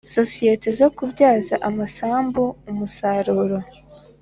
Sosiyete zo kubyaza amasambu umusaruro